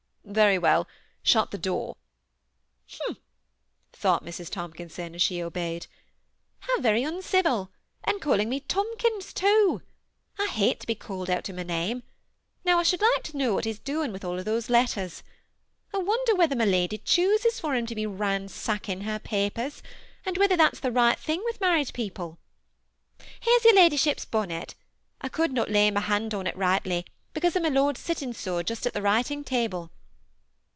Very well ; shut the door." ^ Umph !" thought Mrs. Tomkinson, as she obeyed $ THE SEMI ATTACHED COUPLE; T9 hdw very uncivil ; and calling me Tomkins, too I T hate to be called out of my name. Now I sboald like to know what he 's doing of with all those letters. I wonder whether my lady chooses for him to be ran sacking her papers, and whether thaf s the right thing with married people. Here's your ladyship's bonnet I could not lay my hand on it rightly, because of my lord's sitting so just at the writing table."